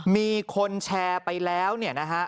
มีคนแชร์ไปแล้วเนี่ยนะฮะ